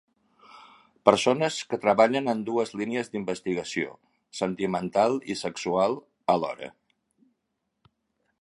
Persones que treballen en dues línies d'investigació sentimental i sexual alhora.